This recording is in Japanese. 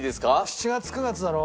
７月９月だろ？